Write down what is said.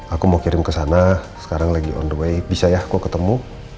aku mau kirim ke sana sekarang lagi on the way bisa ya aku ketemu